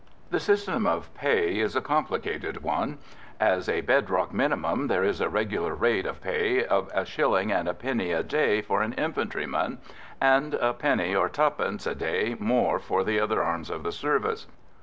The system of pay is a complicated one. As a bed rock minimum there is a regular rate of pay of a shilling and a penny a day for an infantryman, and a penny or twopence a day more for the other arms of the service.